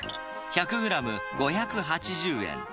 １００グラム５８０円。